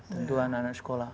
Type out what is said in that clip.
tentuan anak anak sekolah